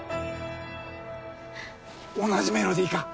同じメロディーか？